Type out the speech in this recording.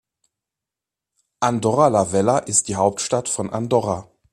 Andorra la Vella ist die Hauptstadt von Andorra.